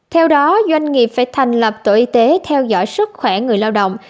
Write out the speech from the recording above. theo đó doanh nghiệp phải thành lập tổ y tế theo dõi sức khỏe người lao động